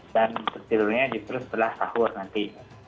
dan tidurnya justru setelah sahur nanti